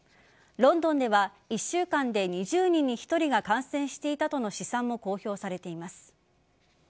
ロンドンでは１週間で２０人に１人が感染していたとの試算も公表されています。